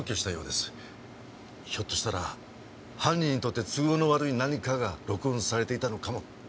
ひょっとしたら犯人にとって都合の悪い何かが録音されていたのかも。